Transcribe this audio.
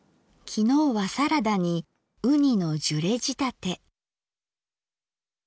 きのうはサラダにうにのジュレ仕立て。